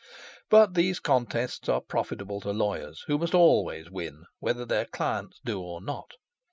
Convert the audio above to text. But these contests are profitable to lawyers, who must always win, whether their clients do or not.